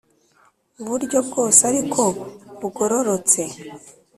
muburyo bwose ariko bugororotse